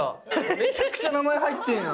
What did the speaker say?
めちゃくちゃ名前入ってんやん。